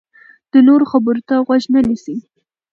د نورو خبرو ته غوږ نه نیسي.